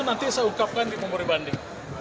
nanti saya ungkapkan di umum ribanding